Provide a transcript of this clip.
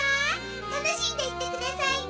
たのしんでいってくださいね。